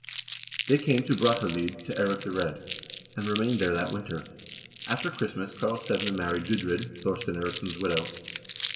They came to Brattahlid to Eirik the Red, and remained there that winter. After Christmas Karlsevne married Gudrid, Thorstein Eiriksson's widow.